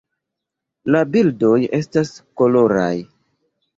La bildoj estas koloraj.